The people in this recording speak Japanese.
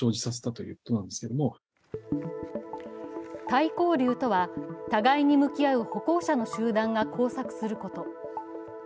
対向流とは、互いに向き合う歩行者の集団が交錯すること。